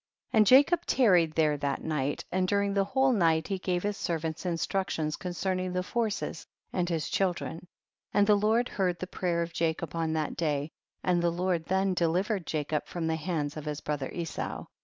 26. And Jacob tamed there that night, and during the whole night he gave his servants instructions con cerning the forces and his children. 27. And the Lord heard the pray er of Jacob on that day, and the Lord then delivered Jacob from the hands of his brother Esau.